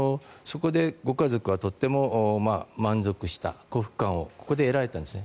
そこでご家族はとても満足した幸福感をここで得られたんです。